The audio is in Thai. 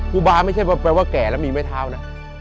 ครูบาไม่ใช่แปลว่าแก่แล้วมีไม้เท้านะ